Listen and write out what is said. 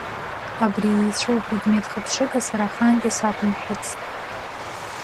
Абри еицәоу предмет хыԥҽыга сара ахаангьы сақәымшәацт.